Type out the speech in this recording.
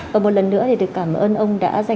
và một lần nữa thì cảm ơn ông đã dành thời gian